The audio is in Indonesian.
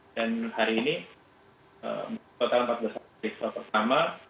dan hari ini total empat puluh satu riset pertama